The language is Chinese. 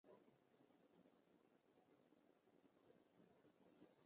然后他们把这个文本文件和校验和发给所有参与者。